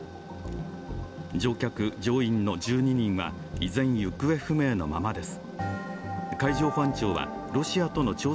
乗客・乗員の１２人は依然、行方不明のままです。